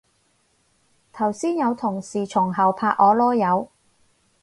頭先有同事從後拍我籮柚